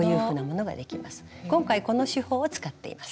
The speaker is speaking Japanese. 今回この手法を使っています。